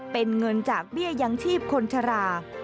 เป็นเงินจากเบี้ยยังชีพคนชรา